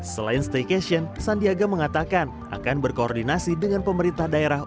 selain staycation sandiaga mengatakan akan berkoordinasi dengan pemerintah daerah